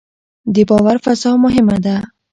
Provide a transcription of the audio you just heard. د باور فضا مهمه ده